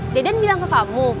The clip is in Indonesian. deden bilang ke kamu